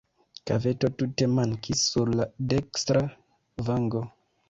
Kaveto tute mankis sur la dekstra vango.